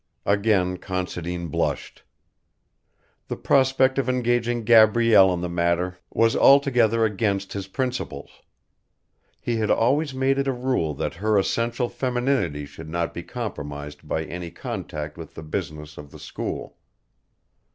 Again Considine blushed. The prospect of engaging Gabrielle in the matter was altogether against his principles. He had always made it a rule that her essential femininity should not be compromised by any contact with the business of the school.